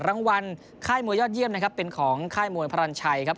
รางวัลค่ายมวยยอดเยี่ยมนะครับเป็นของค่ายมวยพรรณชัยครับ